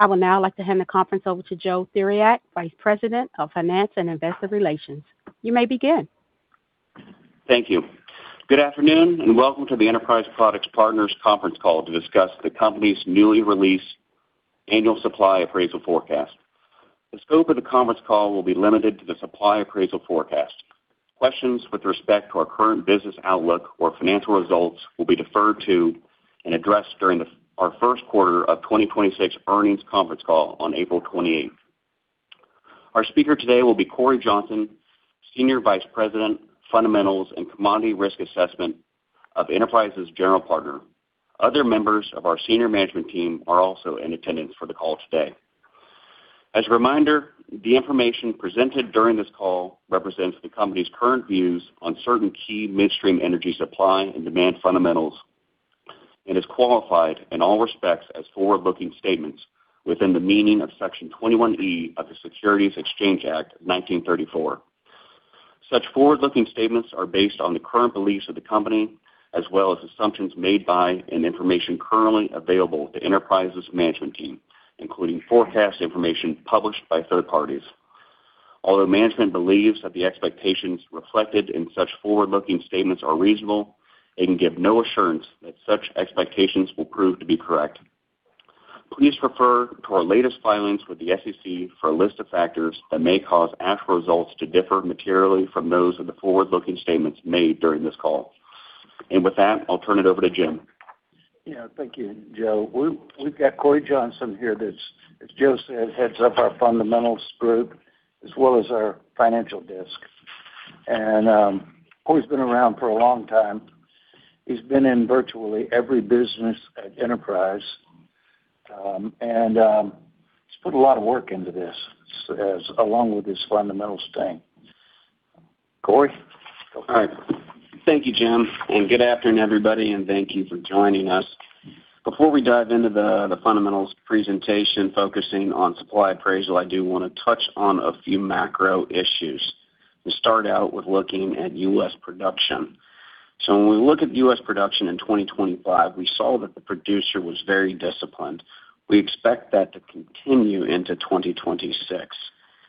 I would now like to hand the conference over to Joe Theriac, Vice President of Finance and Investor Relations. You may begin. Thank you. Good afternoon, and welcome to the Enterprise Products Partners conference call to discuss the company's newly released annual supply appraisal forecast. The scope of the conference call will be limited to the supply appraisal forecast. Questions with respect to our current business outlook or financial results will be deferred to and addressed during our first quarter of 2026 earnings conference call on April 28th. Our speaker today will be Corey Johnson, Senior Vice President, Fundamentals and Commodity Risk Assessment of Enterprise's General Partner. Other members of our senior management team are also in attendance for the call today. As a reminder, the information presented during this call represents the company's current views on certain key midstream energy supply and demand fundamentals and is qualified in all respects as forward-looking statements within the meaning of Section 21E of the Securities Exchange Act 1934. Such forward-looking statements are based on the current beliefs of the company, as well as assumptions made by and information currently available to Enterprise's management team, including forecast information published by third parties. Although management believes that the expectations reflected in such forward-looking statements are reasonable, they can give no assurance that such expectations will prove to be correct. Please refer to our latest filings with the SEC for a list of factors that may cause actual results to differ materially from those of the forward-looking statements made during this call. With that, I'll turn it over to Jim. Yeah. Thank you, Joe. We've got Corey Johnson here that, as Joe said, heads up our Fundamentals Group as well as our Financial Desk. Corey's been around for a long time. He's been in virtually every business at Enterprise. He's put a lot of work into this, along with his Fundamentals team. Corey, go for it. All right. Thank you, Jim, and good afternoon, everybody, and thank you for joining us. Before we dive into the fundamentals presentation focusing on supply appraisal, I do want to touch on a few macro issues. We start out with looking at U.S. production. When we look at U.S. production in 2025, we saw that the producer was very disciplined. We expect that to continue into 2026.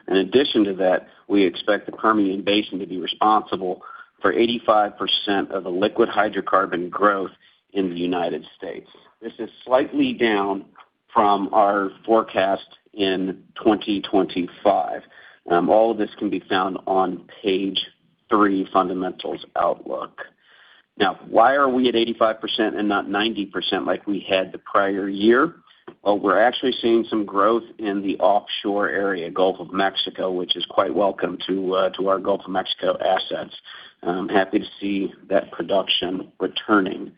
In addition to that, we expect the Permian Basin to be responsible for 85% of the liquid hydrocarbon growth in the United States. This is slightly down from our forecast in 2025. All of this can be found on page three, Fundamentals Outlook. Now, why are we at 85% and not 90% like we had the prior year? Well, we're actually seeing some growth in the offshore area, Gulf of Mexico, which is quite welcome to our Gulf of Mexico assets. I'm happy to see that production returning.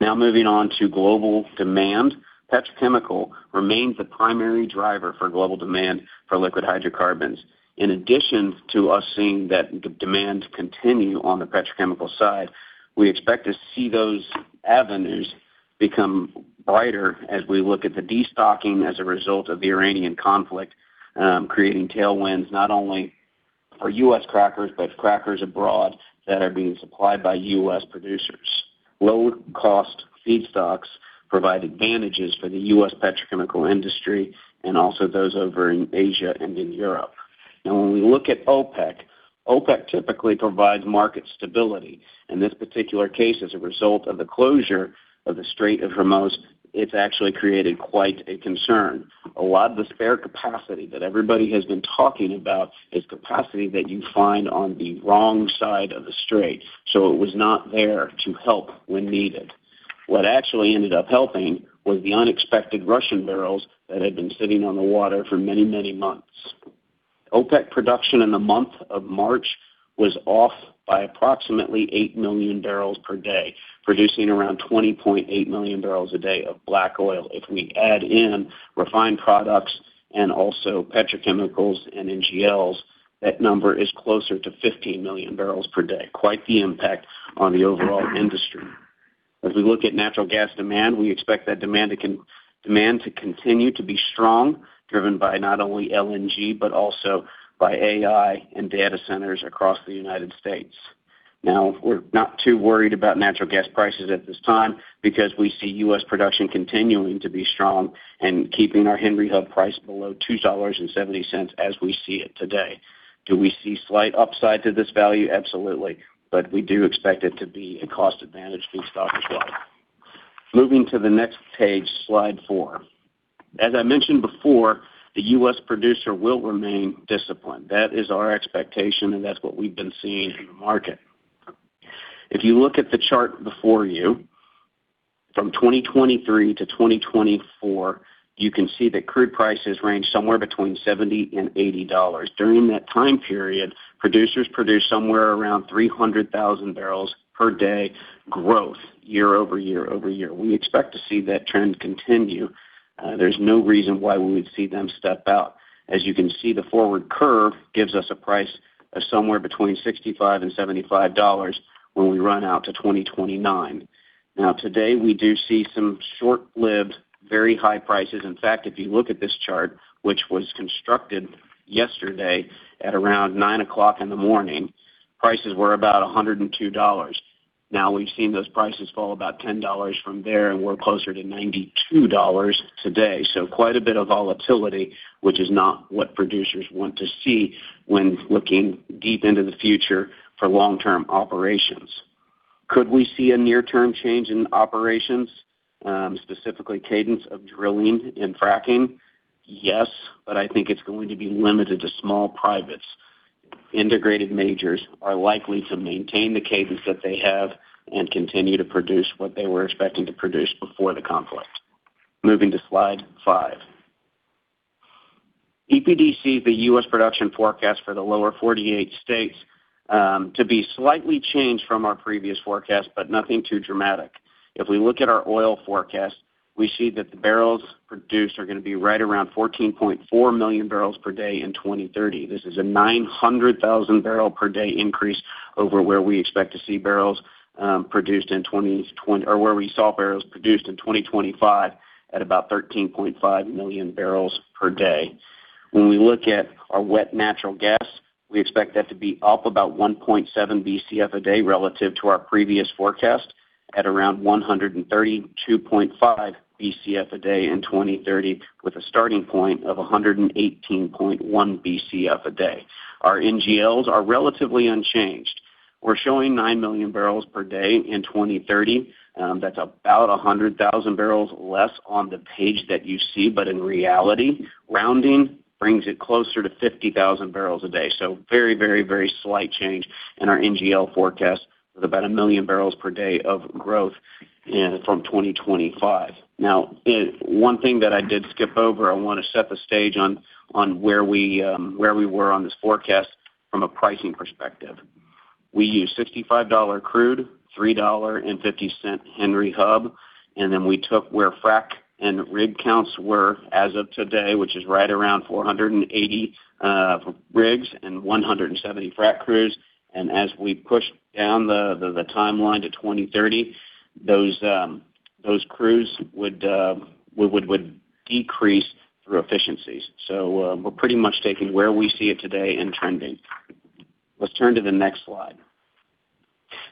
Now moving on to global demand. Petrochemical remains the primary driver for global demand for liquid hydrocarbons. In addition to us seeing that demand continue on the petrochemical side, we expect to see those avenues become brighter as we look at the destocking as a result of the Iranian conflict, creating tailwinds not only for U.S. crackers, but crackers abroad that are being supplied by U.S. producers. Low-cost feedstocks provide advantages for the U.S. petrochemical industry and also those over in Asia and in Europe. Now, when we look at OPEC typically provides market stability. In this particular case, as a result of the closure of the Strait of Hormuz, it's actually created quite a concern. A lot of the spare capacity that everybody has been talking about is capacity that you find on the wrong side of the strait, so it was not there to help when needed. What actually ended up helping was the unexpected Russian barrels that had been sitting on the water for many, many months. OPEC production in the month of March was off by approximately 8 million barrels per day, producing around 20.8 million barrels a day of black oil. If we add in refined products and also petrochemicals and NGLs, that number is closer to 15 million barrels per day. Quite the impact on the overall industry. As we look at natural gas demand, we expect that demand to continue to be strong, driven by not only LNG, but also by AI and data centers across the United States. Now, we're not too worried about natural gas prices at this time because we see U.S. production continuing to be strong and keeping our Henry Hub price below $2.70 as we see it today. Do we see slight upside to this value? Absolutely. We do expect it to be a cost advantage feedstock as well. Moving to the next page, slide 4. As I mentioned before, the U.S. producer will remain disciplined. That is our expectation, and that's what we've been seeing in the market. If you look at the chart before you, from 2023 to 2024, you can see that crude prices range somewhere between $70 and $80. During that time period, producers produced somewhere around 300,000 barrels per day growth year-over-year. We expect to see that trend continue. There's no reason why we would see them step out. As you can see, the forward curve gives us a price of somewhere between $65 and $75 when we run out to 2029. Now, today, we do see some short-lived, very high prices. In fact, if you look at this chart, which was constructed yesterday at around 9:00 A.M., prices were about $102. Now we've seen those prices fall about $10 from there, and we're closer to $92 today. Quite a bit of volatility, which is not what producers want to see when looking deep into the future for long-term operations. Could we see a near-term change in operations, specifically cadence of drilling and fracking? Yes, but I think it's going to be limited to small privates. Integrated majors are likely to maintain the cadence that they have and continue to produce what they were expecting to produce before the conflict. Moving to slide 5. EPD's, the U.S. production forecast for the Lower 48 states, to be slightly changed from our previous forecast, but nothing too dramatic. If we look at our oil forecast, we see that the barrels produced are going to be right around 14.4 million barrels per day in 2030. This is a 900,000 barrel per day increase over where we saw barrels produced in 2025 at about 13.5 million barrels per day. When we look at our wet natural gas, we expect that to be up about 1.7 Bcf a day relative to our previous forecast at around 132.5 Bcf a day in 2030, with a starting point of 118.1 Bcf a day. Our NGLs are relatively unchanged. We're showing nine million barrels per day in 2030. That's about 100,000 barrels less on the page that you see, but in reality, rounding brings it closer to 50,000 barrels a day. Very slight change in our NGL forecast with about a million barrels per day of growth from 2025. Now, one thing that I did skip over, I want to set the stage on where we were on this forecast from a pricing perspective. We use $65 crude, $3.50 Henry Hub, and then we took where frack and rig counts were as of today, which is right around 480 for rigs and 170 frac crews. As we pushed down the timeline to 2030, those crews would decrease through efficiencies. We're pretty much taking where we see it today and trending. Let's turn to the next slide.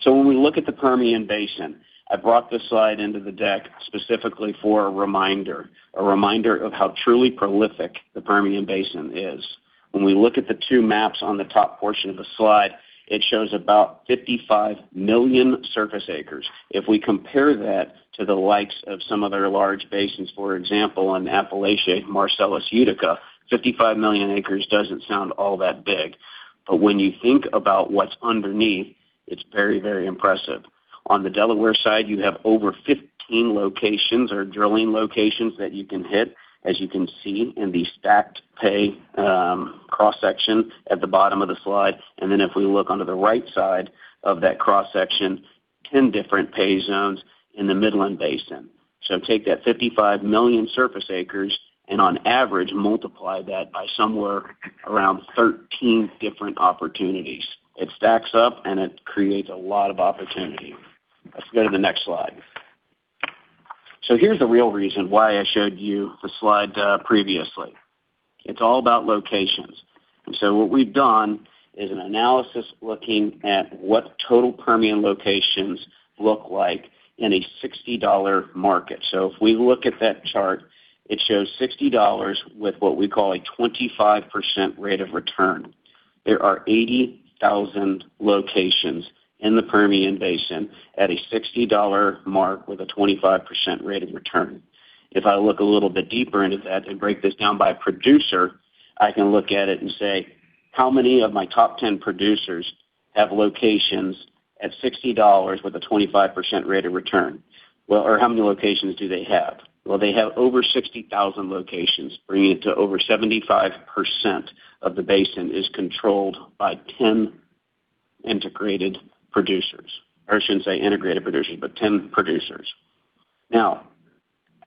When we look at the Permian Basin, I brought this slide into the deck specifically for a reminder, a reminder of how truly prolific the Permian Basin is. When we look at the two maps on the top portion of the slide, it shows about 55 million surface acres. If we compare that to the likes of some other large basins, for example, in Appalachia, Marcellus, Utica, 55 million acres doesn't sound all that big. When you think about what's underneath, it's very impressive. On the Delaware side, you have over 15 locations or drilling locations that you can hit, as you can see in the stacked pay cross-section at the bottom of the slide. If we look onto the right side of that cross-section, 10 different pay zones in the Midland Basin. Take that 55 million surface acres and on average, multiply that by somewhere around 13 different opportunities. It stacks up and it creates a lot of opportunity. Let's go to the next slide. Here's the real reason why I showed you the slide previously. It's all about locations. What we've done is an analysis looking at what total Permian locations look like in a $60 market. If we look at that chart, it shows $60 with what we call a 25% rate of return. There are 80,000 locations in the Permian Basin at a $60 mark with a 25% rate of return. If I look a little bit deeper into that and break this down by producer, I can look at it and say, how many of my top 10 producers have locations at $60 with a 25% rate of return? How many locations do they have? Well, they have over 60,000 locations, bringing it to over 75% of the basin is controlled by 10 integrated producers, or I shouldn't say integrated producers, but 10 producers. Now,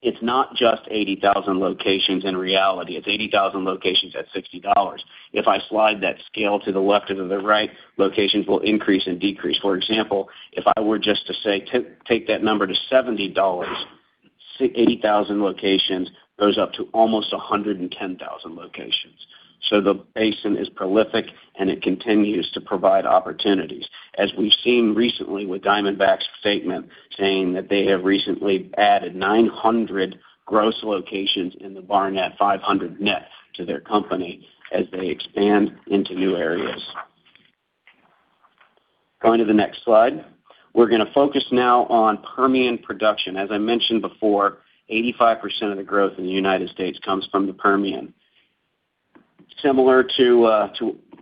it's not just 80,000 locations in reality. It's 80,000 locations at $60. If I slide that scale to the left or to the right, locations will increase and decrease. For example, if I were just to say, take that number to $70, 80,000 locations goes up to almost 110,000 locations. The basin is prolific and it continues to provide opportunities, as we've seen recently with Diamondback's statement saying that they have recently added 900 gross locations in the basin, 500 net to their company as they expand into new areas. Going to the next slide, we're going to focus now on Permian production. As I mentioned before, 85% of the growth in the United States comes from the Permian. Similar to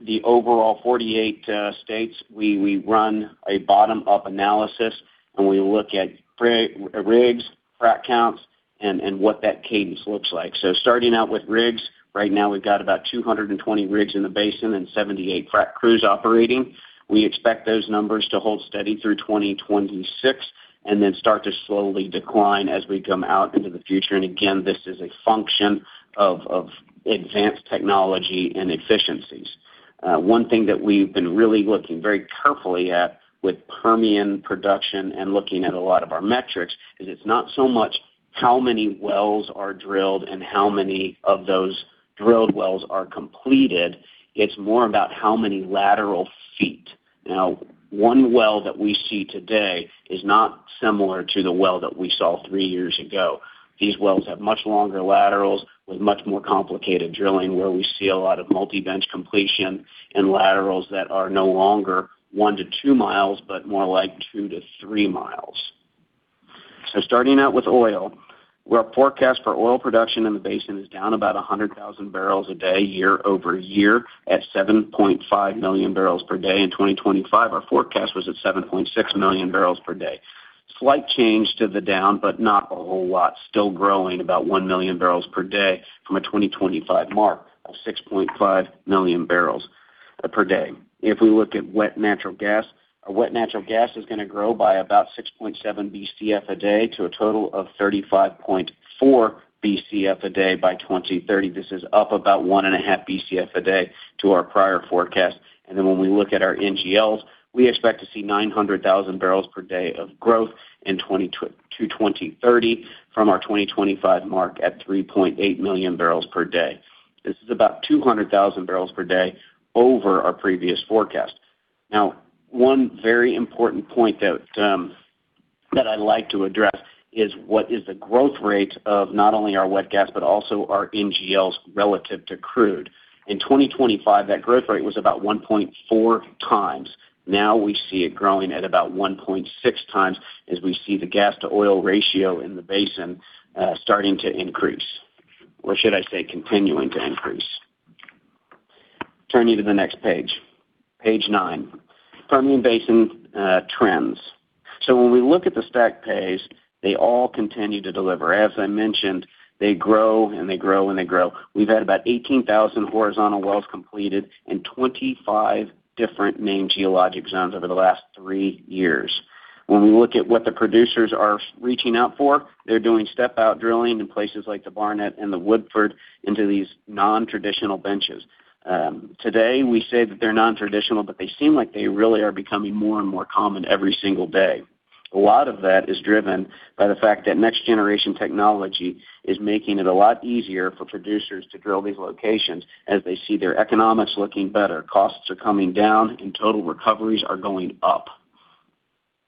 the overall 48 states, we run a bottom-up analysis and we look at rigs, frac counts and what that cadence looks like. Starting out with rigs, right now we've got about 220 rigs in the basin and 78 frac crews operating. We expect those numbers to hold steady through 2026 and then start to slowly decline as we come out into the future. Again, this is a function of advanced technology and efficiencies. One thing that we've been really looking very carefully at with Permian production and looking at a lot of our metrics is it's not so much how many wells are drilled and how many of those drilled wells are completed, it's more about how many lateral feet. One well that we see today is not similar to the well that we saw three years ago. These wells have much longer laterals with much more complicated drilling, where we see a lot of multi-bench completion and laterals that are no longer one to two miles, but more like two to three miles. Starting out with oil, where our forecast for oil production in the basin is down about 100,000 barrels a day year-over-year at 7.5 million barrels per day. In 2025, our forecast was at 7.6 million barrels per day, a slight change to the down, but not a whole lot, still growing about 1 million barrels per day from a 2025 mark of 6.5 million barrels per day. If we look at wet natural gas, our wet natural gas is going to grow by about 6.7 Bcf a day to a total of 35.4 Bcf a day by 2030. This is up about 1.5 Bcf a day to our prior forecast. When we look at our NGLs, we expect to see 900,000 barrels per day of growth in 2030 from our 2025 mark at 3.8 million barrels per day. This is about 200,000 barrels per day over our previous forecast. Now, one very important point that I'd like to address is what is the growth rate of not only our wet gas, but also our NGLs relative to crude. In 2025, that growth rate was about 1.4x. `Now we see it growing at about 1.6x as we see the gas-to-oil ratio in the basin starting to increase, or should I say continuing to increase. Turn you to the next page, page nine. Permian Basin trust, when we look at the stacked pay, they all continue to deliver. As I mentioned, they grow and they grow and they grow. We've got about 18,000 horizontal walls completed in 25 different name geologics on them in the last three years. When we look at what the producers are reaching out for, they're doing stuff out drilling in places like the Barnet and the Woodford into these nontraditional benches. Today, we say that they're nontraditional, but they seem like they really are becoming more and more common every single day. A lot of that is driven by the fact that next-generation technology is making it a lot easier for producers to drill these locations as they see their economics looking better. Costs are coming down and total recoveries are going up.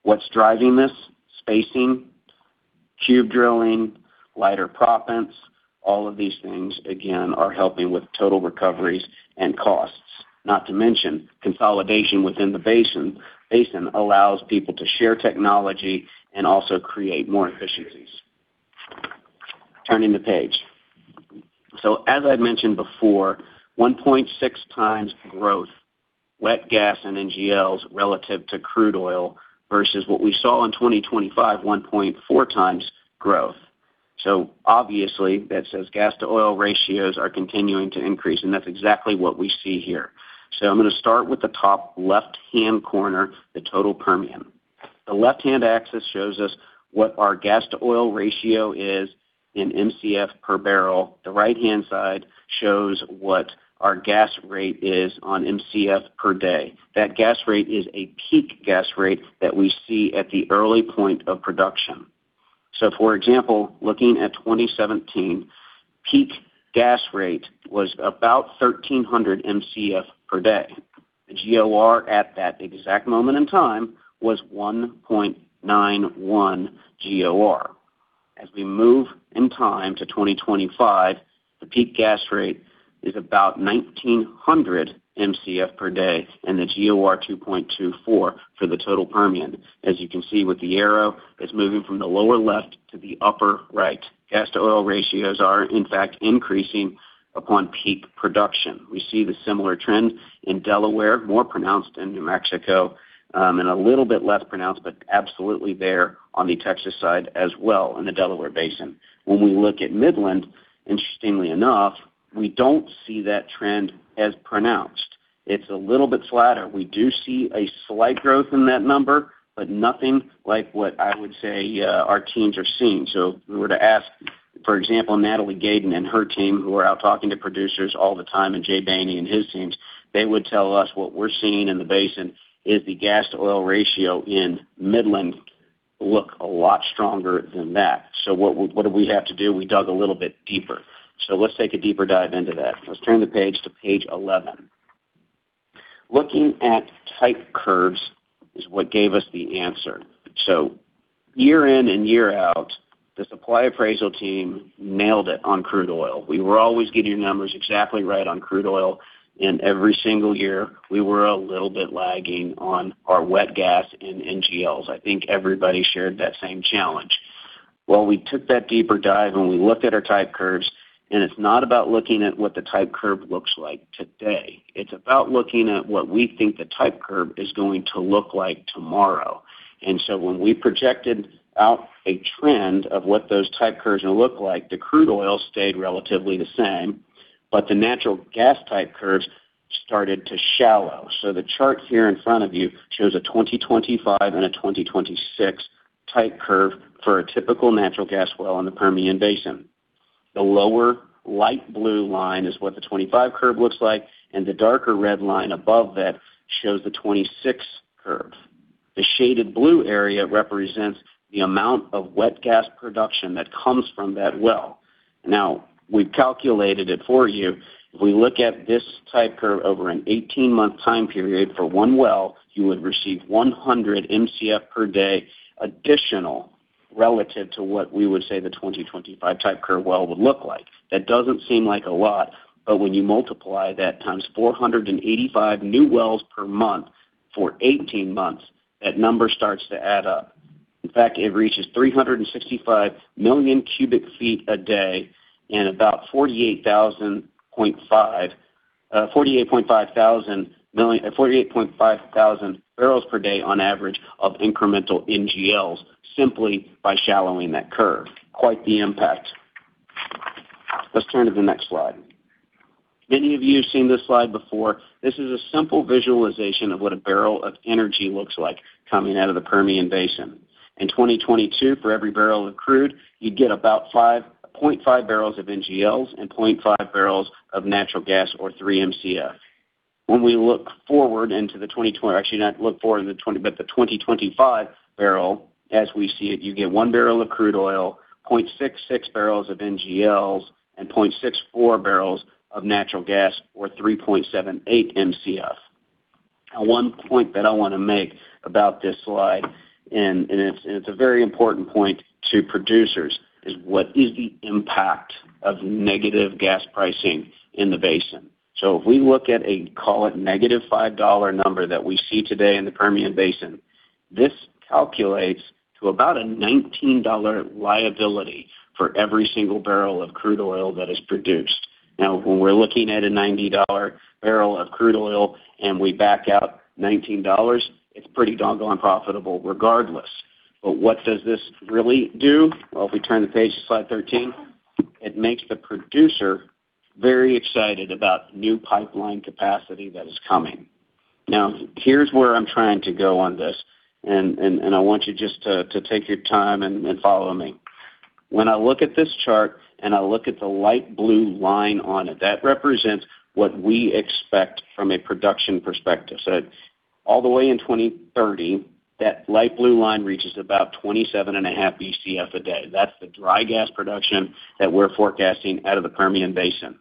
What's driving this? Spacing, cube drilling, lighter proppants. All of these things, again, are helping with total recoveries and costs. Not to mention, consolidation within the basin allows people to share technology and also create more efficiencies. Turning the page. As I mentioned before, 1.6x growth, wet gas and NGLs relative to crude oil versus what we saw in 2025, 1.4x growth. Obviously, that says gas-to-oil ratios are continuing to increase, and that's exactly what we see here. I'm going to start with the top left-hand corner, the total Permian. The left-hand axis shows us what our gas-to-oil ratio is in Mcf per barrel. The right-hand side shows what our gas rate is on Mcf per day. That gas rate is a peak gas rate that we see at the early point of production. For example, looking at 2017, peak gas rate was about 1,300 Mcf per day. The GOR at that exact moment in time was 1.91 GOR. As we move in time to 2025, the peak gas rate is about 1,900 Mcf per day and the GOR 2.24 for the total Permian. As you can see with the arrow, it's moving from the lower left to the upper right. Gas-to-oil ratios are, in fact, increasing upon peak production. We see the similar trends in Delaware, more pronounced in New Mexico, and a little bit less pronounced, but absolutely there on the Texas side as well in the Delaware Basin. When we look at Midland, interestingly enough, we don't see that trend as pronounced. It's a little bit flatter. We do see a slight growth in that number, but nothing like what I would say our teams are seeing. If we were to ask, for example, Natalie Gayden and her team, who are out talking to producers all the time, and Jay Bany and his teams, they would tell us what we're seeing in the basin is the gas to oil ratio in Midland look a lot stronger than that. What did we have to do? We dug a little bit deeper. Let's take a deeper dive into that. Let's turn the page to page 11. Looking at type curves is what gave us the answer. Year in and year out, the supply appraisal team nailed it on crude oil. We were always getting numbers exactly right on crude oil, and every single year, we were a little bit lagging on our wet gas and NGLs. I think everybody shared that same challenge. Well, we took that deeper dive and we looked at our type curves, and it's not about looking at what the type curve looks like today. It's about looking at what we think the type curve is going to look like tomorrow. When we projected out a trend of what those type curves will look like, the crude oil stayed relatively the same, but the natural gas type curves started to shallow. The chart here in front of you shows a 2025 and a 2026 type curve for a typical natural gas well in the Permian Basin. The lower light blue line is what the 2025 curve looks like, and the darker red line above that shows the 2026 curve. The shaded blue area represents the amount of wet gas production that comes from that well. Now, we've calculated it for you. If we look at this type curve over an 18-month time period for one well, you would receive 100 Mcf per day additional relative to what we would say the 2025 type curve well would look like. That doesn't seem like a lot, but when you multiply that times 485 new wells per month for 18 months, that number starts to add up. In fact, it reaches 365 million cubic feet a day and about 48,500 barrels per day on average of incremental NGLs, simply by shallowing that curve. Quite the impact. Let's turn to the next slide. Many of you have seen this slide before. This is a simple visualization of what a barrel of energy looks like coming out of the Permian Basin. In 2022, for every barrel of crude, you'd get about 0.5 barrels of NGLs and 0.5 barrels of natural gas or 3 Mcf. When we look forward, actually not look forward, but the 2025 barrel, as we see it, you get one barrel of crude oil, 0.66 barrels of NGLs, and 0.64 barrels of natural gas or 3.78 Mcf. Now, one point that I want to make about this slide, and it's a very important point to producers, is what is the impact of negative gas pricing in the basin? If we look at a, call it negative $5 number that we see today in the Permian Basin, this calculates to about a $19 liability for every single barrel of crude oil that is produced. Now, when we're looking at a $90 barrel of crude oil and we back out $19, it's pretty doggone profitable regardless. What does this really do? Well, if we turn the page to Slide 13, it makes the producer very excited about new pipeline capacity that is coming. Now, here's where I'm trying to go on this, and I want you just to take your time and follow me. When I look at this chart and I look at the light blue line on it, that represents what we expect from a production perspective. All the way in 2030, that light blue line reaches about 27.5 Bcf a day. That's the dry gas production that we're forecasting out of the Permian Basin.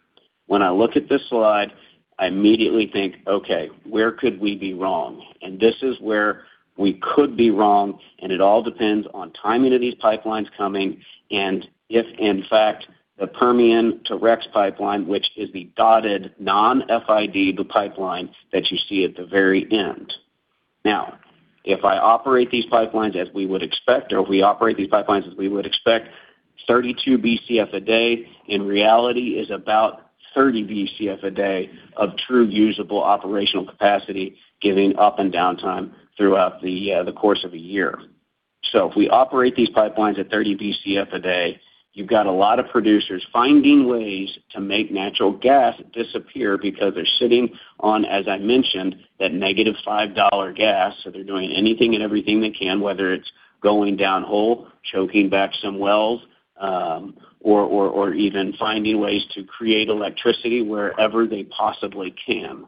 When I look at this slide, I immediately think, okay, where could we be wrong? This is where we could be wrong, and it all depends on timing of these pipelines coming and if, in fact, the Permian to REX pipeline, which is the dotted non-FID pipeline that you see at the very end. Now, if we operate these pipelines as we would expect, 32 Bcf a day, in reality, is about 30 Bcf a day of true usable operational capacity, giving up and downtime throughout the course of a year. If we operate these pipelines at 30 Bcf a day, you've got a lot of producers finding ways to make natural gas disappear because they're sitting on, as I mentioned, that -$5 gas. They're doing anything and everything they can, whether it's going downhole, choking back some wells, or even finding ways to create electricity wherever they possibly can.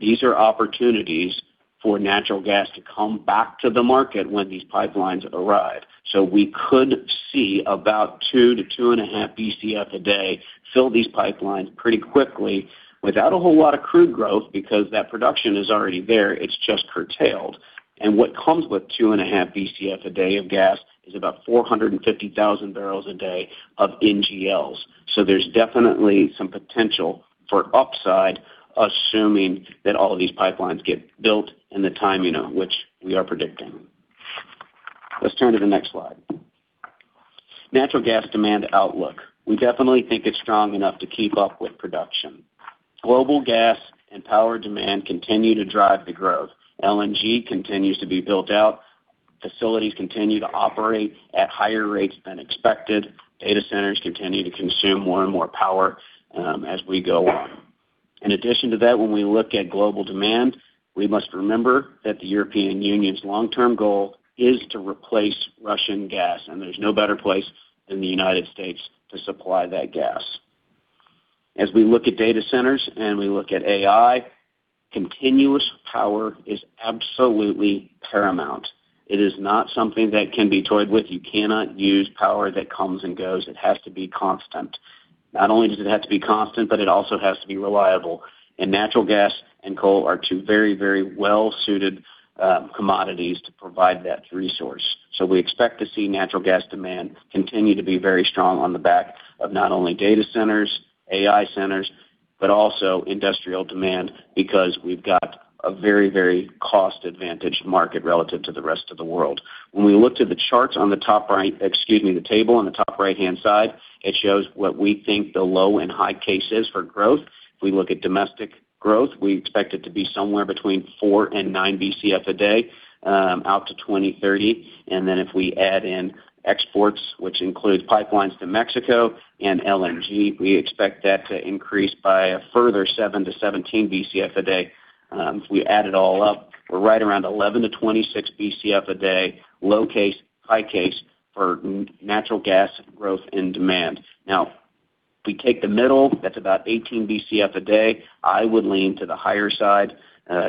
These are opportunities for natural gas to come back to the market when these pipelines arrive. We could see about 2 Bcf-2.5 Bcf a day fill these pipelines pretty quickly without a whole lot of crude growth because that production is already there, it's just curtailed. What comes with 2.5 Bcf a day of gas is about 450,000 barrels a day of NGLs. There's definitely some potential for upside, assuming that all of these pipelines get built in the timing of which we are predicting. Let's turn to the next slide. Natural gas demand outlook. We definitely think it's strong enough to keep up with production. Global gas and power demand continue to drive the growth. LNG continues to be built out. Facilities continue to operate at higher rates than expected. Data centers continue to consume more and more power as we go on. In addition to that, when we look at global demand, we must remember that the European Union's long-term goal is to replace Russian gas, and there's no better place than the United States to supply that gas. As we look at data centers and we look at AI, continuous power is absolutely paramount. It is not something that can be toyed with. You cannot use power that comes and goes. It has to be constant. Not only does it have to be constant, but it also has to be reliable, and natural gas and coal are two very well-suited commodities to provide that resource. We expect to see natural gas demand continue to be very strong on the back of not only data centers, AI centers but also industrial demand, because we've got a very cost-advantaged market relative to the rest of the world. When we look to the table on the top right-hand side, it shows what we think the low and high case is for growth. If we look at domestic growth, we expect it to be somewhere between 4 Bcf and 9 Bcf a day out to 2030. If we add in exports, which includes pipelines to Mexico and LNG, we expect that to increase by a further 7 Bcf-17 Bcf a day. If we add it all up, we're right around 11 Bcf-26 Bcf a day, low case, high case for natural gas growth in demand. Now if we take the middle, that's about 18 Bcf a day. I would lean to the higher side,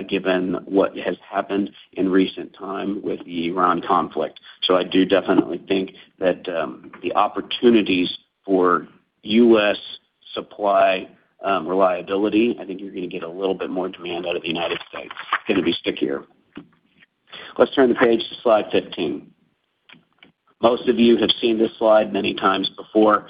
given what has happened in recent time with the Iran conflict. I do definitely think that the opportunities for U.S. supply reliability, I think you're going to get a little bit more demand out of the United States, going to be stickier. Let's turn the page to slide 15. Most of you have seen this slide many times before.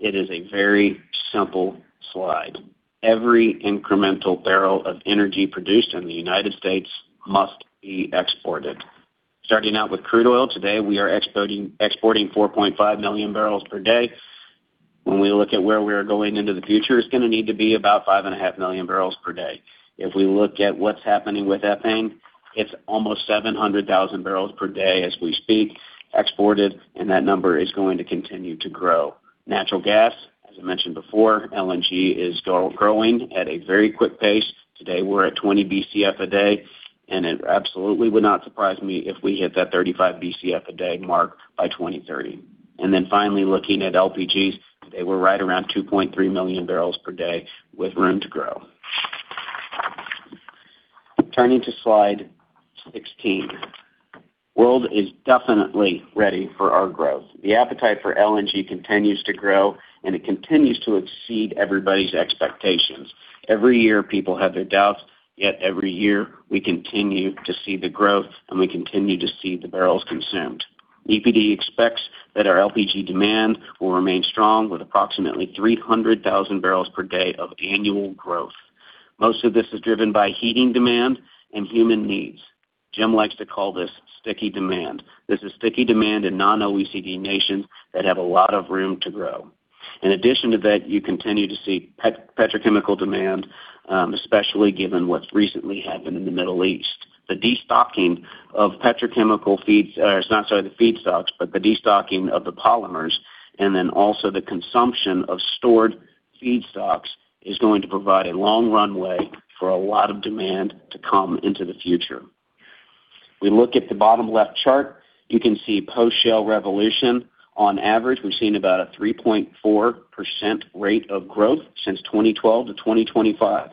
It is a very simple slide. Every incremental barrel of energy produced in the United States must be exported. Starting out with crude oil, today, we are exporting 4.5 million barrels per day. When we look at where we are going into the future, it's going to need to be about 5.5 million barrels per day. If we look at what's happening with ethane, it's almost 700,000 barrels per day as we speak, exported, and that number is going to continue to grow. Natural gas, as I mentioned before, LNG is growing at a very quick pace. Today, we're at 20 Bcf a day, and it absolutely would not surprise me if we hit that 35 Bcf a day mark by 2030. Finally, looking at LPGs, they were right around 2.3 million barrels per day with room to grow. Turning to slide 16. World is definitely ready for our growth. The appetite for LNG continues to grow, and it continues to exceed everybody's expectations. Every year, people have their doubts, yet every year, we continue to see the growth, and we continue to see the barrels consumed. EPD expects that our LPG demand will remain strong with approximately 300,000 barrels per day of annual growth. Most of this is driven by heating demand and human needs. Jim likes to call this sticky demand. This is sticky demand in non-OECD nations that have a lot of room to grow. In addition to that, you continue to see petrochemical demand, especially given what's recently happened in the Middle East. The destocking of the polymers and then also the consumption of stored feedstocks is going to provide a long runway for a lot of demand to come into the future. We look at the bottom left chart. You can see post-Shale Revolution. On average, we've seen about a 3.4% rate of growth since 2012-2025.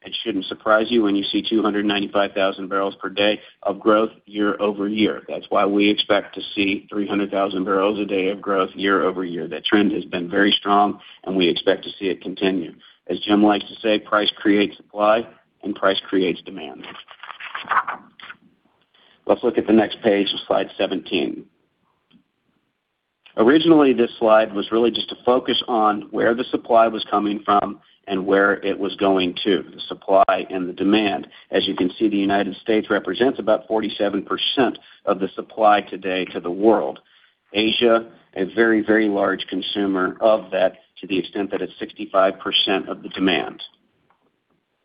It shouldn't surprise you when you see 295,000 barrels per day of growth year-over-year. That's why we expect to see 300,000 barrels a day of growth year-over-year. That trend has been very strong, and we expect to see it continue. As Jim likes to say, price creates supply, and price creates demand. Let's look at the next page, slide 17. Originally, this slide was really just to focus on where the supply was coming from and where it was going to, the supply and the demand. As you can see, the United States represents about 47% of the supply today to the world. Asia, a very, very large consumer of that to the extent that it's 65% of the demand.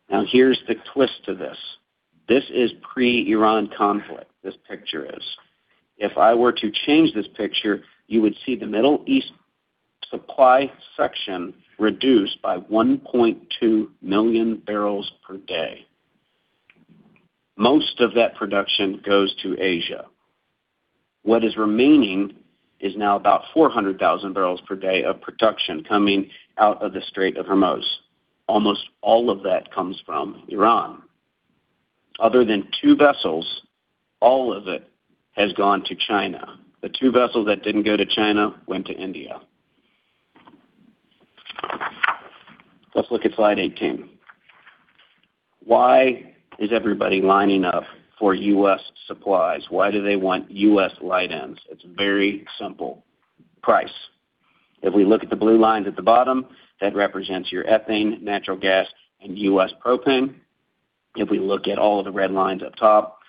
Now, here's the twist to this. This is pre-Iran conflict, this picture is. If I were to change this picture, you would see the Middle East supply section reduced by 1.2 million barrels per day. Most of that production goes to Asia. What is remaining is now about 400,000 barrels per day of production coming out of the Strait of Hormuz. Almost all of that comes from Iran. Other than two vessels, all of it has gone to China. The two vessels that didn't go to China went to India. Let's look at slide 18. Why is everybody lining up for U.S. supplies? Why do they want U.S. light ends? It's very simple, price. If we look at the blue lines at the bottom, that represents your ethane, natural gas, and U.S. propane. If we look at all of the red lines up top,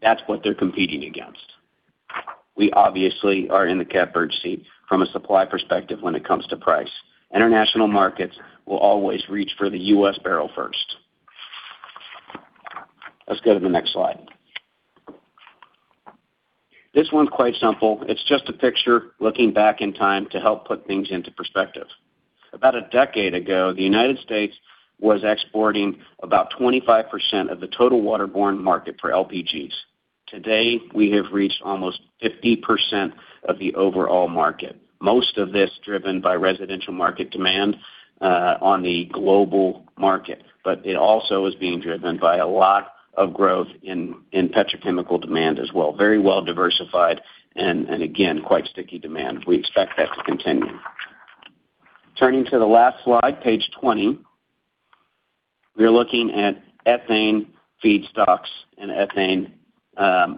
that's what they're competing against. We obviously are in the catbird seat from a supply perspective when it comes to price. International markets will always reach for the U.S. barrel first. Let's go to the next slide. This one's quite simple. It's just a picture looking back in time to help put things into perspective. About a decade ago, the United States was exporting about 25% of the total waterborne market for LPGs. Today, we have reached almost 50% of the overall market, most of this driven by residential market demand on the global market. It also is being driven by a lot of growth in petrochemical demand as well, very well diversified and, again, quite sticky demand. We expect that to continue. Turning to the last slide, page 20, we are looking at ethane feedstocks and ethane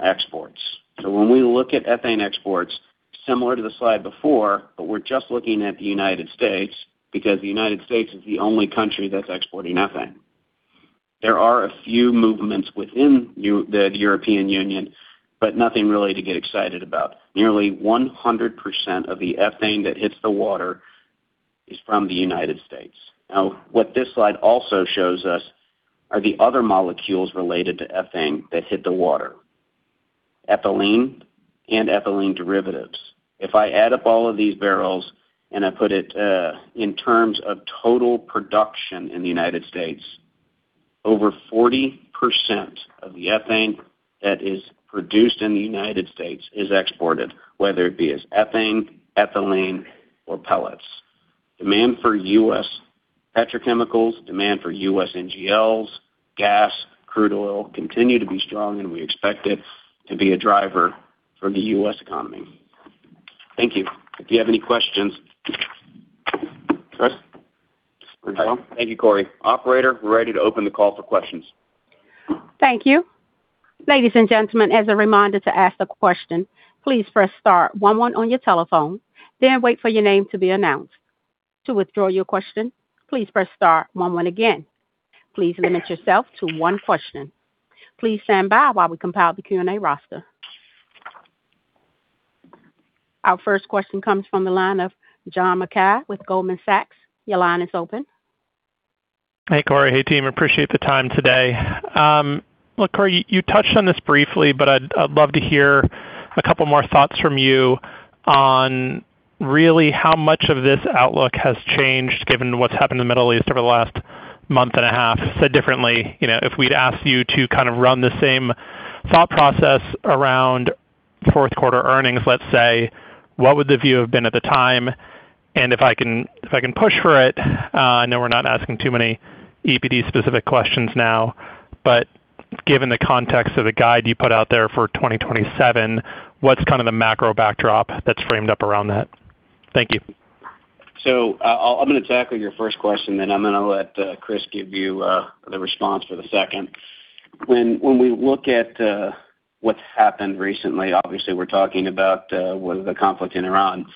exports. When we look at ethane exports, similar to the slide before, but we're just looking at the United States, because the United States is the only country that's exporting ethane. There are a few movements within the European Union, but nothing really to get excited about. Nearly 100% of the ethane that hits the water is from the United States. Now, what this slide also shows us are the other molecules related to ethane that hit the water, ethylene and ethylene derivatives. If I add up all of these barrels, and I put it in terms of total production in the United States, over 40% of the ethane that is produced in the United States is exported, whether it be as ethane, ethylene, or pellets. Demand for U.S. petrochemicals, demand for U.S. NGLs, gas, crude oil, continue to be strong, and we expect it to be a driver for the U.S. economy. Thank you. If you have any questions, Chris? John? Thank you, Corey. Operator, we're ready to open the call for questions. Thank you. Ladies and gentlemen, as a reminder to ask a question, please press star one one on your telephone, then wait for your name to be announced. To withdraw your question, please press star one one again. Please limit yourself to one question. Please stand by while we compile the Q&A roster. Our first question comes from the line of John Mackay with Goldman Sachs. Your line is open. Hey, Corey. Hey, team. Appreciate the time today. Look, Corey, you touched on this briefly, but I'd love to hear a couple more thoughts from you on really how much of this outlook has changed given what's happened in the Middle East over the last month and a half. Said differently, if we'd asked you to kind of run the same thought process around fourth quarter earnings, let's say, what would the view have been at the time? If I can push for it, I know we're not asking too many EPD-specific questions now, but given the context of the guide you put out there for 2027, what's kind of the macro backdrop that's framed up around that? Thank you. I'm going to tackle your first question, then I'm going to let Chris give you the response for the second. When we look at what's happened recently, obviously we're talking about the conflict in Iran.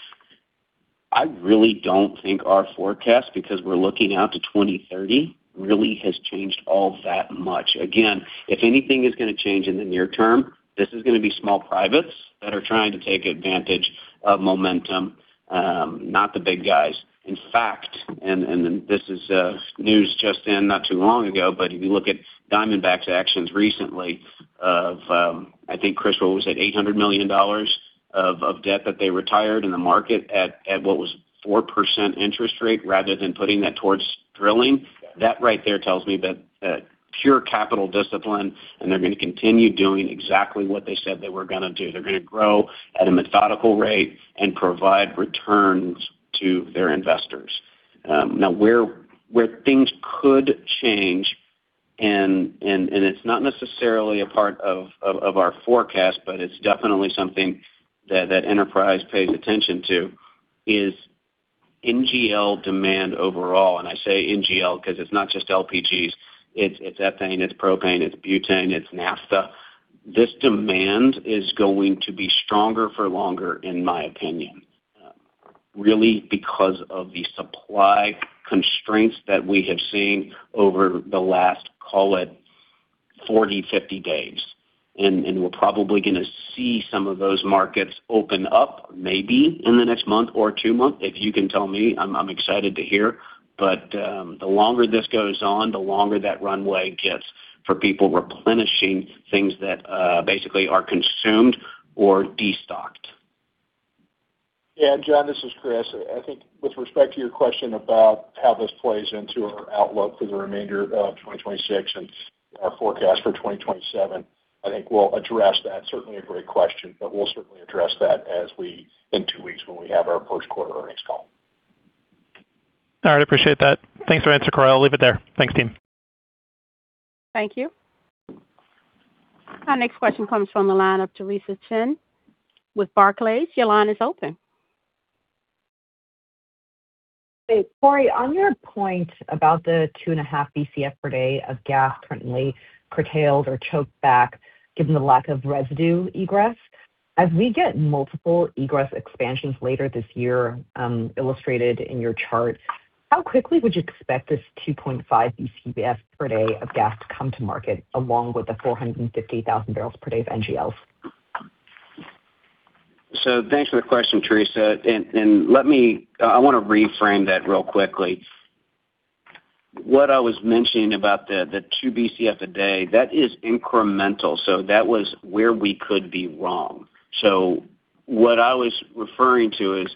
I really don't think our forecast, because we're looking out to 2030, really has changed all that much. Again, if anything is going to change in the near term, this is going to be small privates that are trying to take advantage of momentum, not the big guys. In fact, and this is news just in not too long ago, but if you look at Diamondback's actions recently of, I think, Chris, what was it? $800 million of debt that they retired in the market at what was 4% interest rate rather than putting that towards drilling. That right there tells me pure capital discipline, and they're going to continue doing exactly what they said they were going to do. They're going to grow at a methodical rate and provide returns to their investors. Now, where things could change, and it's not necessarily a part of our forecast, but it's definitely something that Enterprise pays attention to, is NGL demand overall. I say NGL because it's not just LPGs. It's ethane, it's propane, it's butane, it's naphtha. This demand is going to be stronger for longer, in my opinion, really because of the supply constraints that we have seen over the last, call it 40-50 days. We're probably going to see some of those markets open up maybe in the next month or two months. If you can tell me, I'm excited to hear. The longer this goes on, the longer that runway gets for people replenishing things that basically are consumed or destocked. Yeah, John, this is Chris. I think with respect to your question about how this plays into our outlook for the remainder of 2026 and our forecast for 2027, I think we'll address that. Certainly a great question, but we'll certainly address that in two weeks when we have our first quarter earnings call. All right. I appreciate that. Thanks for the answer, Corey. I'll leave it there. Thanks, team. Thank you. Our next question comes from the line of Theresa Chen with Barclays. Your line is open. Hey, Corey, on your point about the 2.5 Bcf per day of gas currently curtailed or choked back given the lack of residue egress, as we get multiple egress expansions later this year, illustrated in your chart, how quickly would you expect this 2.5 Bcf per day of gas to come to market along with the 450,000 barrels per day of NGLs? So thanks for the question, Theresa. I want to reframe that real quickly. What I was mentioning about the two BCF a day, that is incremental. So that was where we could be wrong. So what I was referring to is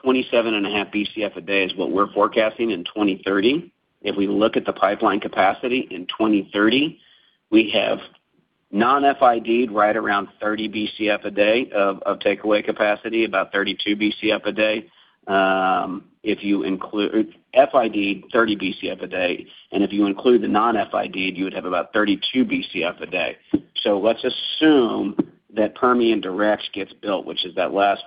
27 and a half BCF a day is what we're forecasting in 2030. If we look at the pipeline capacity in 2030, we have non-FID right around 30 BCF a day of takeaway capacity, about 32 BCF a day. FID, 30 BCF a day, and if you include the non-FID, you would have about 32 BCF a day. So let's assume that Permian Direct gets built, which is that last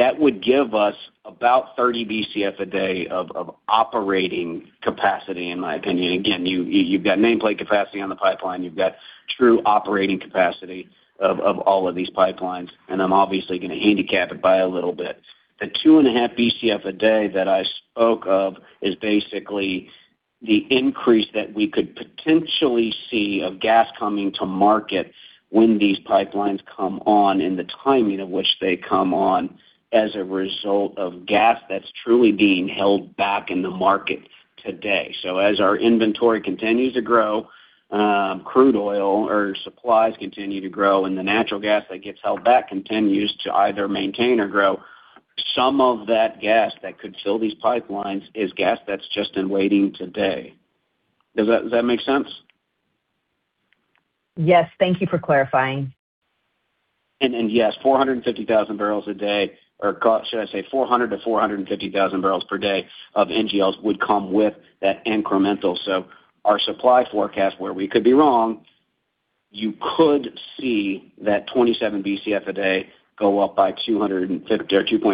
one. That would give us about 30 Bcf a day of operating capacity, in my opinion. Again, you've got nameplate capacity on the pipeline, you've got true operating capacity of all of these pipelines, and I'm obviously going to handicap it by a little bit. The 2.5 Bcf a day that I spoke of is basically the increase that we could potentially see of gas coming to market when these pipelines come on, and the timing of which they come on as a result of gas that's truly being held back in the market today. As our inventory continues to grow, crude oil or supplies continue to grow, and the natural gas that gets held back continues to either maintain or grow. Some of that gas that could fill these pipelines is gas that's just in waiting today. Does that make sense? Yes. Thank you for clarifying. Yes, 450,000 barrels a day or should I say 400,000-450,000 barrels per day of NGLs would come with that incremental. Our supply forecast, where we could be wrong, you could see that 27 Bcf a day go up by 2.5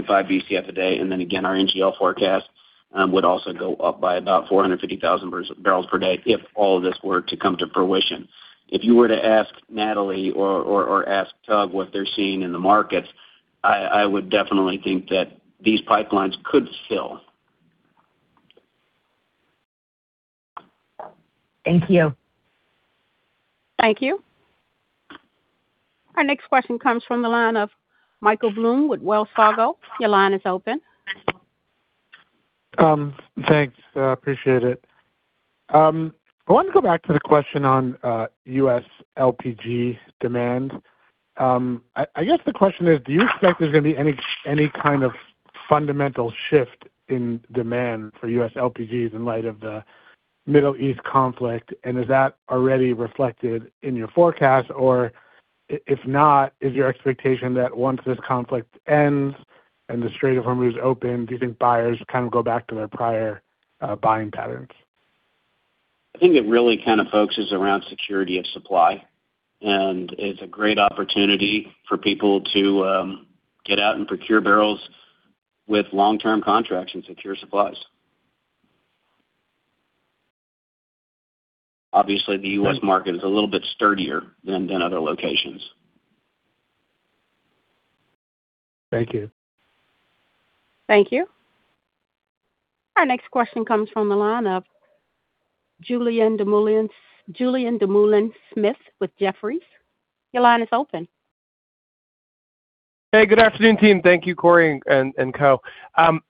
Bcf a day. Again, our NGL forecast would also go up by about 450,000 barrels per day if all of this were to come to fruition. If you were to ask Natalie or ask Tug what they're seeing in the markets, I would definitely think that these pipelines could fill. Thank you. Thank you. Our next question comes from the line of Michael Blum with Wells Fargo. Your line is open. Thanks. I appreciate it. I want to go back to the question on U.S. LPG demand. I guess the question is, do you expect there's going to be any kind of fundamental shift in demand for U.S. LPGs in light of the Middle East conflict? Is that already reflected in your forecast? If not, is your expectation that once this conflict ends and the Strait of Hormuz is open, do you think buyers kind of go back to their prior buying patterns? I think it really kind of focuses around security of supply, and it's a great opportunity for people to get out and procure barrels with long-term contracts and secure supplies. Obviously, the U.S. market is a little bit sturdier than other locations. Thank you. Thank you. Our next question comes from the line of Julien Dumoulin-Smith with Jefferies. Your line is open. Hey, good afternoon, team. Thank you, Corey and Co.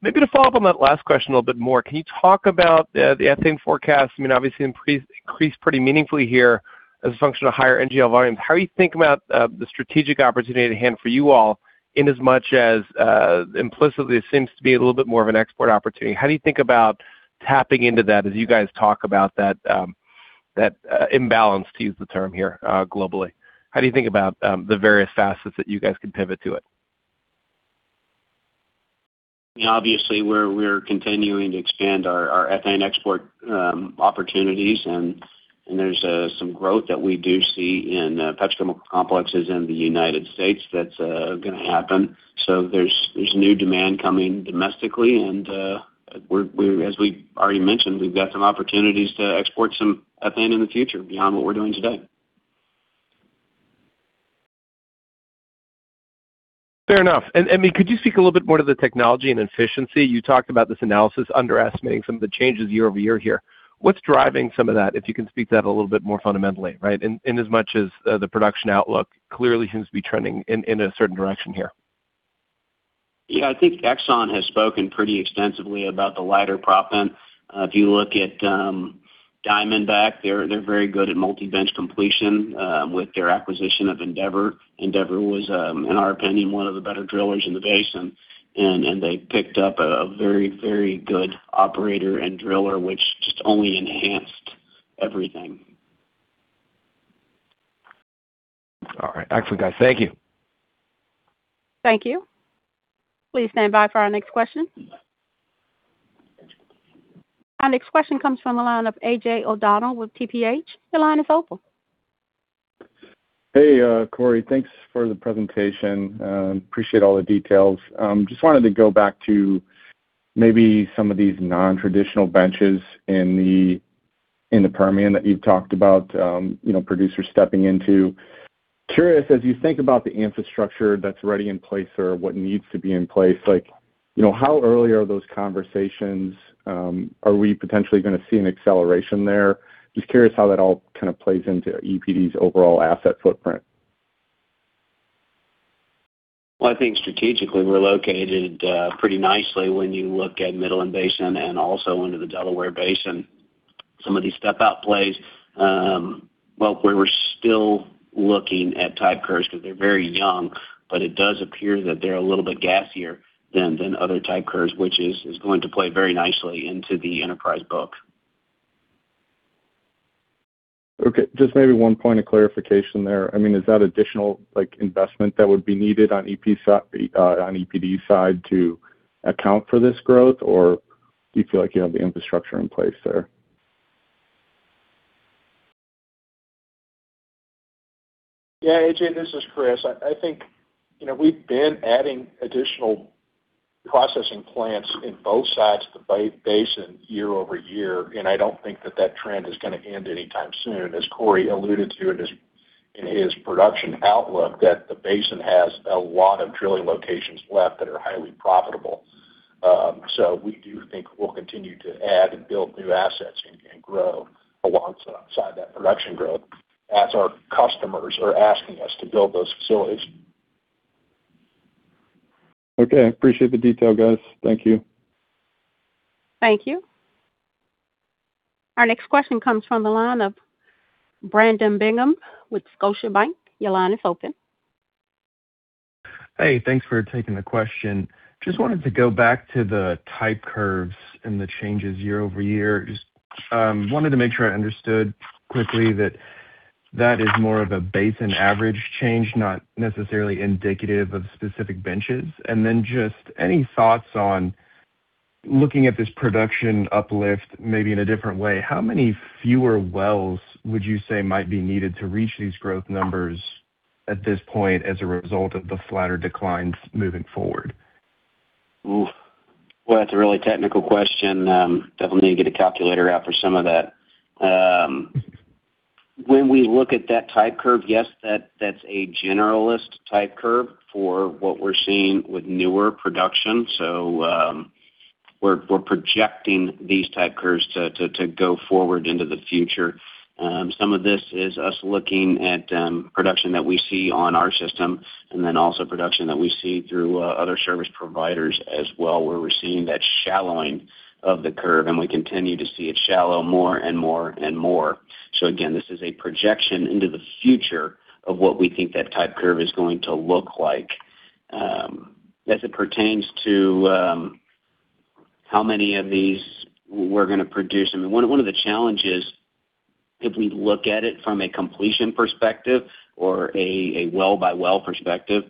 Maybe to follow up on that last question a little bit more, can you talk about the ethane forecast? I mean, obviously increased pretty meaningfully here as a function of higher NGL volumes. How are you thinking about the strategic opportunity at hand for you all inasmuch as implicitly it seems to be a little bit more of an export opportunity? How do you think about tapping into that as you guys talk about that imbalance, to use the term here, globally? How do you think about the various facets that you guys could pivot to it? Obviously, we're continuing to expand our ethane export opportunities, and there's some growth that we do see in petrochemical complexes in the United States that's going to happen. There's new demand coming domestically. As we already mentioned, we've got some opportunities to export some ethane in the future beyond what we're doing today. Fair enough. Could you speak a little bit more to the technology and efficiency? You talked about this analysis underestimating some of the changes year-over-year here. What's driving some of that? If you can speak to that a little bit more fundamentally, right? Inasmuch as the production outlook clearly seems to be trending in a certain direction here. Yeah. I think Exxon has spoken pretty extensively about the lighter proppant. If you look at Diamondback, they're very good at multi-bench completion with their acquisition of Endeavor. Endeavor was, in our opinion, one of the better drillers in the basin, and they picked up a very good operator and driller, which just only enhanced everything. All right. Excellent, guys. Thank you. Thank you. Our next question comes from the line of AJ O'Donnell with TPH. Your line is open. Hey Corey, thanks for the presentation. Appreciate all the details. Just wanted to go back to maybe some of these non-traditional benches in the Permian that you've talked about producers stepping into. Curious as you think about the infrastructure that's already in place or what needs to be in place, how early are those conversations? Are we potentially going to see an acceleration there? Just curious how that all kind of plays into EPD's overall asset footprint. Well, I think strategically we're located pretty nicely when you look at Midland Basin and also into the Delaware Basin. Some of these step-out plays, well, we're still looking at type curves because they're very young, but it does appear that they're a little bit gassier than other type curves, which is going to play very nicely into the Enterprise book. Okay, just maybe one point of clarification there. Is that additional investment that would be needed on EPD's side to account for this growth, or do you feel like you have the infrastructure in place there? Yeah, AJ, this is Chris. I think we've been adding additional processing plants in both sides of the basin year-over-year, and I don't think that that trend is going to end anytime soon. As Corey alluded to in his production outlook, that the basin has a lot of drilling locations left that are highly profitable. We do think we'll continue to add and build new assets and grow alongside that production growth as our customers are asking us to build those facilities. Okay. I appreciate the detail, guys. Thank you. Thank you. Our next question comes from the line of Brandon Bingham with Scotiabank. Your line is open. Hey, thanks for taking the question. Just wanted to go back to the type curves and the changes year-over-year. Just wanted to make sure I understood quickly that is more of a basin average change, not necessarily indicative of specific benches. Just any thoughts on looking at this production uplift maybe in a different way, how many fewer wells would you say might be needed to reach these growth numbers at this point as a result of the flatter declines moving forward? Oof. Well, that's a really technical question. Definitely need to get a calculator out for some of that. When we look at that type curve, yes, that's a generalist type curve for what we're seeing with newer production. We're projecting these type curves to go forward into the future. Some of this is us looking at production that we see on our system and then also production that we see through other service providers as well, where we're seeing that shallowing of the curve, and we continue to see it shallow more and more and more. Again, this is a projection into the future of what we think that type curve is going to look like. As it pertains to how many of these we're going to produce, I mean, one of the challenges, if we look at it from a completion perspective or a well-by-well perspective,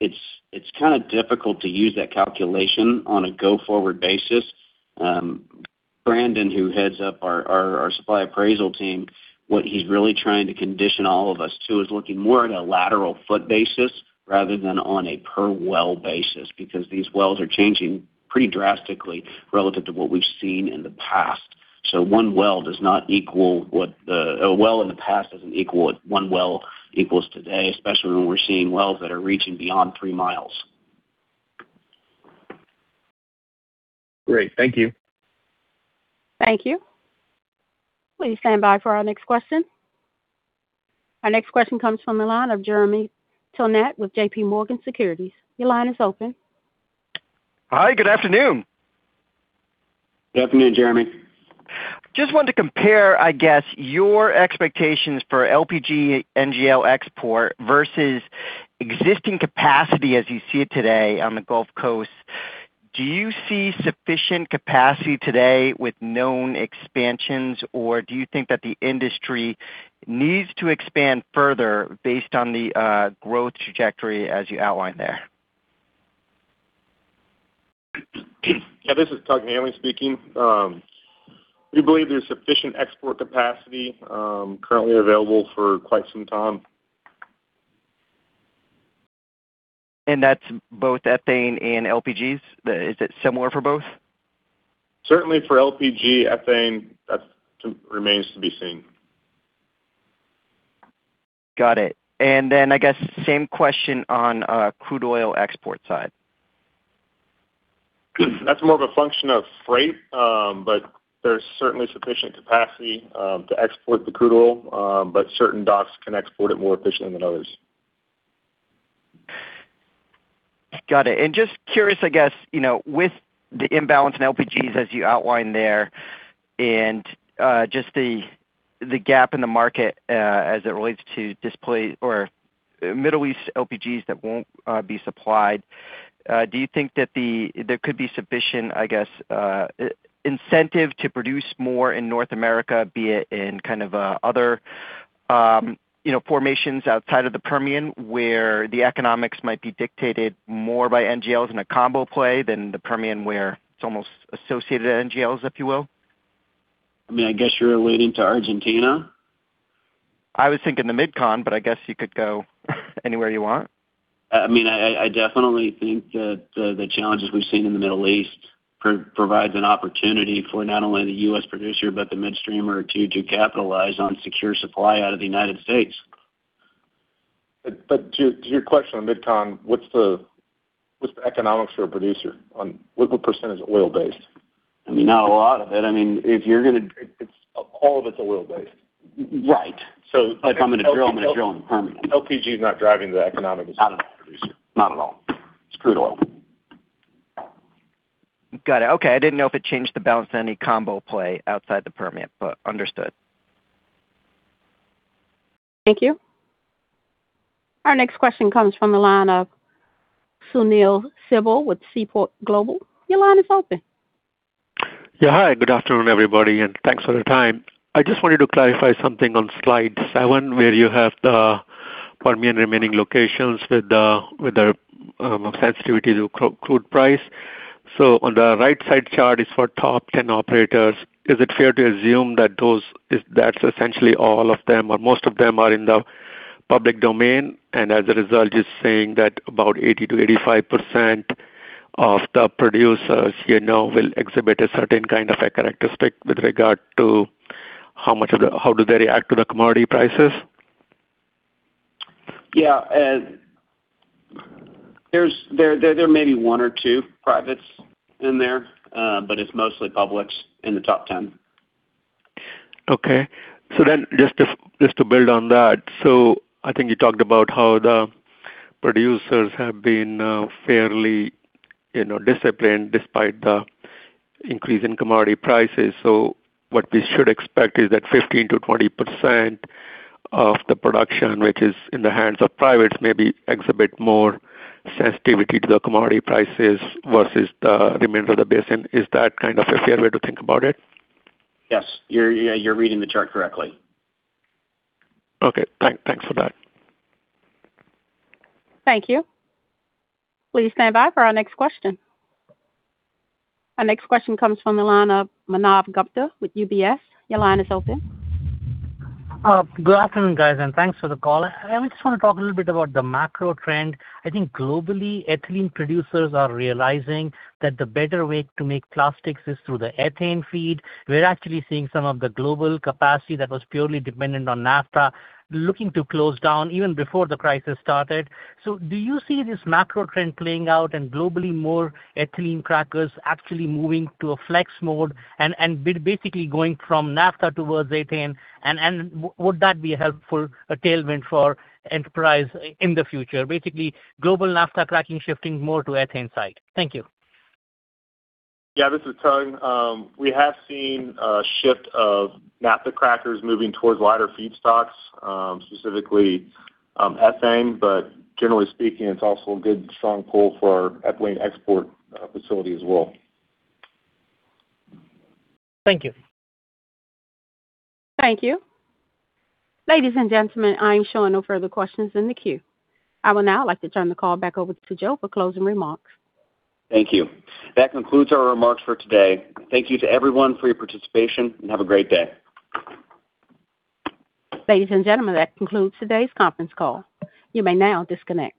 it's kind of difficult to use that calculation on a go-forward basis. Brandon, who heads up our supply appraisal team, what he's really trying to condition all of us to is looking more at a lateral foot basis rather than on a per well basis, because these wells are changing pretty drastically relative to what we've seen in the past. A well in the past doesn't equal what one well equals today, especially when we're seeing wells that are reaching beyond 3 miles. Great. Thank you. Thank you. Our next question comes from the line of Jeremy Tonet with JPMorgan Securities. Your line is open. Hi, good afternoon. Good afternoon, Jeremy. just wanted to compare, I guess, your expectations for LPG, NGL export versus existing capacity as you see it today on the Gulf Coast. Do you see sufficient capacity today with known expansions, or do you think that the industry needs to expand further based on the growth trajectory as you outlined there? Yeah, this is Tug Hanley speaking. We believe there's sufficient export capacity currently available for quite some time. That's both ethane and LPGs? Is it similar for both? Certainly for LPG. Ethane, that remains to be seen. Got it. I guess, same question on crude oil export side. That's more of a function of freight. There's certainly sufficient capacity to export the crude oil. Certain docks can export it more efficiently than others. Got it. Just curious, I guess, with the imbalance in LPGs as you outlined there and just the gap in the market as it relates to Middle East LPGs that won't be supplied, do you think that there could be sufficient, I guess, incentive to produce more in North America, be it in kind of other formations outside of the Permian where the economics might be dictated more by NGLs in a combo play than the Permian, where it's almost associated NGLs, if you will? I mean, I guess you're alluding to Argentina? I was thinking the Mid-Con, but I guess you could go anywhere you want. I definitely think that the challenges we've seen in the Middle East provides an opportunity for not only the U.S. producer, but the midstreamer too, to capitalize on secure supply out of the United States. To your question on MidCon, what's the economics for a producer, what % is oil based? I mean, not a lot of it. I mean, if you're going to. All of it's oil-based. Right. If I'm going to drill, I'm going to drill in the Permian. LPG is not driving the economics of the producer. Not at all. It's crude oil. Got it. Okay. I didn't know if it changed the balance of any combo play outside the Permian, but understood. Thank you. Our next question comes from the line of Sunil Sibal with Seaport Global. Your line is open. Hi, good afternoon, everybody, and thanks for the time. I just wanted to clarify something on slide seven, where you have the Permian remaining locations with the sensitivity to crude price. On the right side chart is for top 10 operators. Is it fair to assume that that's essentially all of them or most of them are in the public domain? As a result, it's saying that about 80%-85% of the producers will exhibit a certain kind of a characteristic with regard to how do they react to the commodity prices? Yeah. There may be one or two privates in there. It's mostly publics in the top 10. Okay, just to build on that, I think you talked about how the producers have been fairly disciplined despite the increase in commodity prices. What we should expect is that 15%-20% of the production, which is in the hands of privates, maybe exhibit more sensitivity to the commodity prices versus the remainder of the basin. Is that kind of a fair way to think about it? Yes. You're reading the chart correctly. Okay. Thanks for that. Thank you. Please stand by for our next question. Our next question comes from the line of Manav Gupta with UBS. Your line is open. Good afternoon, guys, and thanks for the call. I just want to talk a little bit about the macro trend. I think globally, ethylene producers are realizing that the better way to make plastics is through the ethane feed. We're actually seeing some of the global capacity that was purely dependent on naphtha looking to close down even before the crisis started. Do you see this macro trend playing out and globally more ethylene crackers actually moving to a flex mode and basically going from naphtha towards ethane? Would that be a helpful tailwind for Enterprise in the future? Basically, global naphtha cracking shifting more to ethane side. Thank you. Yeah, this is Tug. We have seen a shift of naphtha crackers moving towards lighter feedstocks, specifically ethane. Generally speaking, it's also a good strong pull for our ethylene export facility as well. Thank you. Thank you. Ladies and gentlemen, I'm showing no further questions in the queue. I would now like to turn the call back over to Joe for closing remarks. Thank you. That concludes our remarks for today. Thank you to everyone for your participation, and have a great day. Ladies and gentlemen, that concludes today's conference call. You may now disconnect.